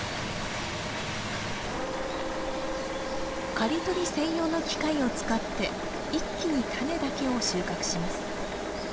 刈り取り専用の機械を使って一気にタネだけを収穫します。